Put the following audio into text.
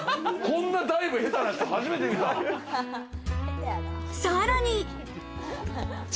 こんなダイブ下手さらに。